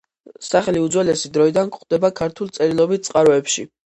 სახელი უძველესი დროიდან გვხვდება ქართულ წერილობით წყაროებში.